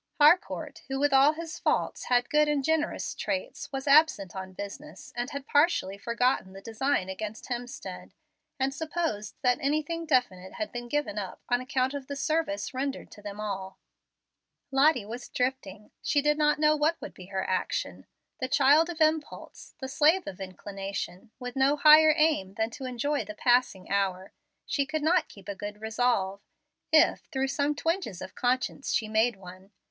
Harcourt, who with all his faults had good and generous traits, was absent on business, and had partially forgotten the design against Hemstead, and supposed that anything definite had been given up on account of the service rendered to them all. Lottie was drifting. She did not know what would be her action. The child of impulse, the slave of inclination, with no higher aim than to enjoy the passing hour, she could not keep a good resolve, if through some twinges of conscience she made one.